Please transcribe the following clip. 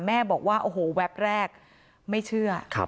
แม่บอกว่าโอ้โหแวบแรกไม่เชื่อ